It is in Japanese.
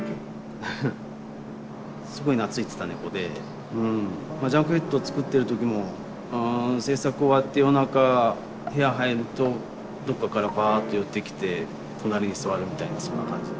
すごい懐いてた猫で「ＪＵＮＫＨＥＡＤ」を作ってる時も制作終わって夜中部屋入るとどっかからバッと寄ってきて隣に座るみたいなそんな感じの。